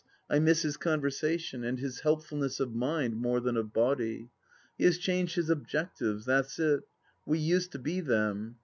... I miss his conversation — ^and his helpful ness of mind more than of body. ... He has changed his objectives, that's it ; we used to be them.